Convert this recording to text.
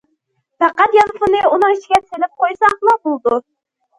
پەقەت يانفوننى ئۇنىڭ ئىچىگە سېلىپ قويساقلا بولىدۇ.